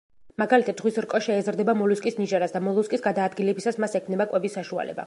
მაგალითად, ზღვის რკო შეეზრდება მოლუსკის ნიჟარას და მოლუსკის გადაადგილებისას მას ექმნება კვების საშუალება.